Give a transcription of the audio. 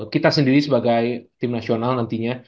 kita sendiri sebagai tim nasional nantinya